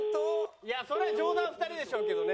いやそりゃ上段２人でしょうけどね。